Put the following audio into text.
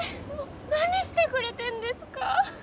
何してくれてるんですか！